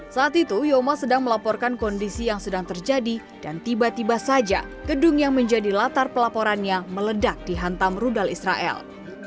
saat itu yoma sedang melaporkan kondisi yang sedang terjadi dan tiba tiba saja gedung yang menjadi latar pelaporannya meledak dihantam rudal israel